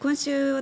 私